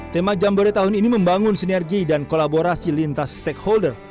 tema jambore tahun ini membangun sinergi dan kolaborasi lintas stakeholder